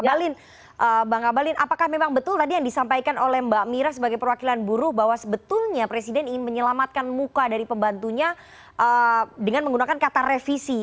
bang abalin apakah memang betul tadi yang disampaikan oleh mbak mira sebagai perwakilan buruh bahwa sebetulnya presiden ingin menyelamatkan muka dari pembantunya dengan menggunakan kata revisi